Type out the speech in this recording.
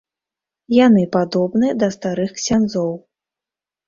Яны падобны да старых ксяндзоў.